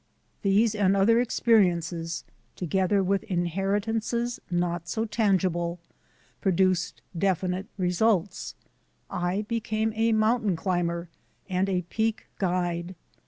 These and other experiences, together with inheritances not so tangible, produced definite results; I became a mountain climber and a peak guide.